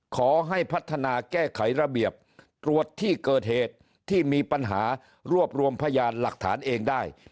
ขอให้พัฒนาแก้ไขระเบียบตรวจที่เกิดเหตุที่มีปัญหารวบรวมพยานหลักฐานเองได้